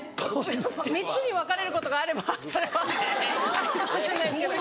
３つに分かれることがあればそれはあるかもしれない。